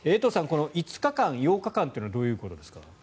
この５日間、８日間というのはどういうことですか？